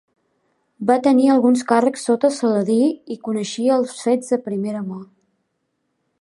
Va tenir alguns càrrecs sota Saladí i coneixia els fets de primera mà.